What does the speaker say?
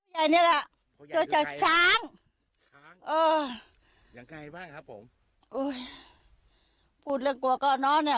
อย่างเงี้ยแหละช้างอย่างใกล้บ้างครับผมอุ้ยพูดเรื่องกว่าก่อนเนอะเนี้ย